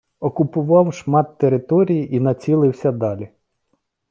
Окупував шмат території і націлився далі.